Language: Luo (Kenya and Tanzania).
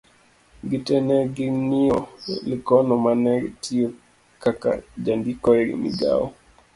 gite ne ging'iyo Likono mane tiyo ka ka jandiko e migawo